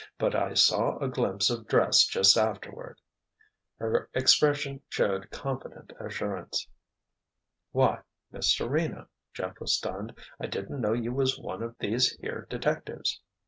"But I saw a glimpse of dress just afterward." Her expression showed confident assurance. "Why, Miss Serena!" Jeff was stunned. "I didn't know you was one of these here detectives."